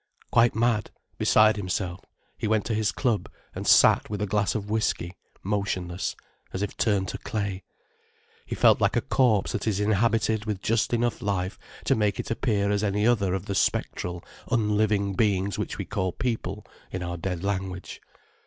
Quite mad, beside himself, he went to his club and sat with a glass of whisky, motionless, as if turned to clay. He felt like a corpse that is inhabited with just enough life to make it appear as any other of the spectral, unliving beings which we call people in our dead language.